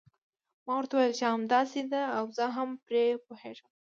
ما ورته وویل چې همداسې ده او زه هم پرې پوهیږم.